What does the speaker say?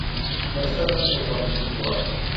مرسل نن په پوهنتون کې وه.